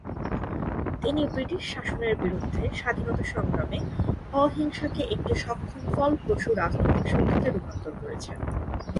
তিনি ব্রিটিশ শাসনের বিরুদ্ধে স্বাধীনতা সংগ্রামে অহিংসাকে একটি সক্ষম ফলপ্রসূ রাজনৈতিক শক্তিতে রূপান্তর করেছেন।